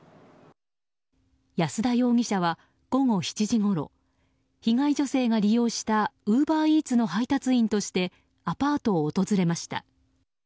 安田容疑者は午後７時ごろ被害女性が利用したウーバーイーツの配達員としてアパートを訪れました。